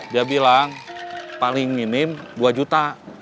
dia bilang paling minim dua juta